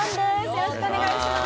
よろしくお願いします！